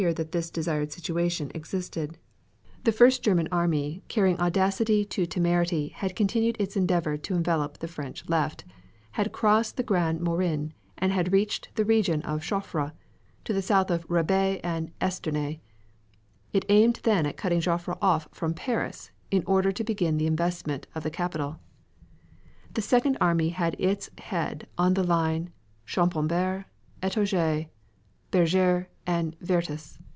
] THE FIRST GERMAN DASH FOR PARIS The First German army, carrying audacity to temerity, had continued its endeavor to envelop the French left, had crossed the Grand Morin, and reached the region of Chauffry, to the south of Rebais and of Esternay. It aimed then at cutting Joffre off from Paris, in order to begin the investment of the capital. The Second army had its head on the line Champaubert, Etoges, Bergeres, and Vertus.